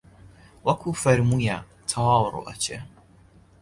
وەکوو فەرموویە تەواو ڕوو ئەچێ